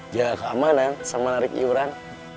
jaga keamanan sama narik iuran